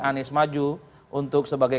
anies maju untuk sebagai